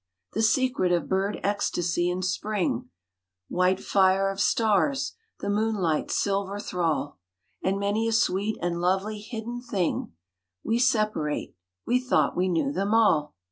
The secret of bird ecstasy in spring, White fire of stars, the moonlight's silver thrall, And many a sweet and lovely hidden thing, We, separate, we thought we knew them all